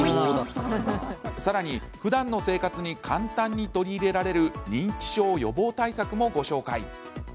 さらに、ふだんの生活に簡単に取り入れられる認知症予防対策もご紹介。